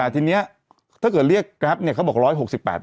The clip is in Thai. แต่ทีนี้ถ้าเกิดเรียกนะครับเนี่ยเขาบอก๑๖๘บาท